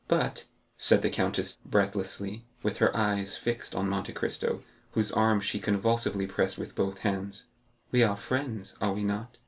"But," said the countess, breathlessly, with her eyes fixed on Monte Cristo, whose arm she convulsively pressed with both hands, "we are friends, are we not?"